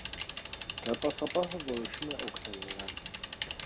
Դարպասապահը որոշում է օգնել նրան։